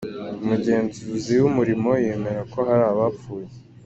Umugenzuzi w’Umurimo yemera ko hari abapfuye.